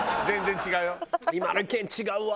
全然違うよ。